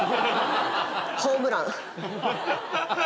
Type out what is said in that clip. ホームラン。